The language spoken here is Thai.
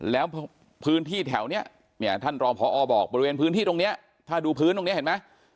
แล้วพื้นที่แถวนี้เนี่ยท่านรองพอบอกบริเวณพื้นที่ตรงนี้ถ้าดูพื้นตรงนี้เห็นไหม